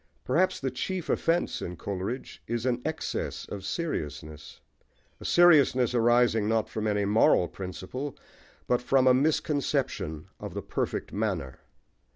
Perhaps the chief offence in Coleridge is an excess of seriousness, a seriousness arising not from any moral principle, but from a misconception of the perfect manner.